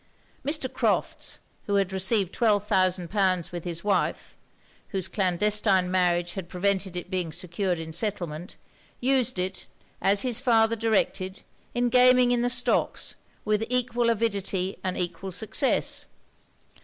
Mr. Crofts, who had received twelve thousand pounds with his wife, (whose clandestine marriage had prevented it's being secured in settlement,) used it, as his father directed, in gaming in the stocks, with equal avidity and equal success.